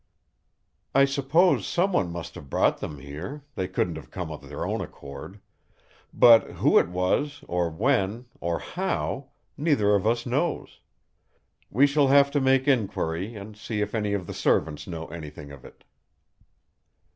"I suppose someone must have brought them here; they couldn't have come of their own accord. But who it was, or when, or how, neither of us knows. We shall have to make inquiry, and see if any of the servants know anything of it."